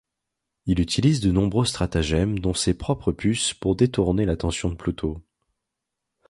Il utilise de nombreux stratagèmes dont ses propres puces pour détourner l'attention de Pluto.